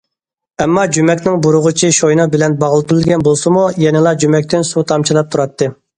ئەمما جۈمەكنىڭ بۇرىغۇچى شوينا بىلەن باغلىۋېتىلگەن بولسىمۇ، يەنىلا جۈمەكتىن سۇ تامچىلاپ تۇراتتى.